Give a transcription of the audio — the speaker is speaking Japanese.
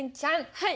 はい。